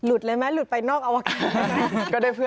หลุดเลยมั้ยหลุดไปนอกเอาวัคค่า